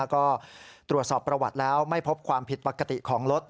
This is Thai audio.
ก็ตรวจสอบประวัติแล้วไม่พบความผิดปกติของรถ